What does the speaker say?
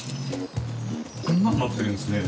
こんなんなってるんですね。